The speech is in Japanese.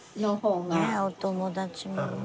ねぇお友達もね。